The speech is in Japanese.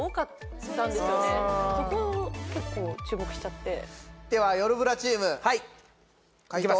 そこを結構注目しちゃってではよるブラチームはいいきます